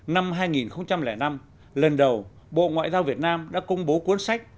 năm hai nghìn năm lần đầu bộ ngoại giao việt nam đã công bố cuốn sách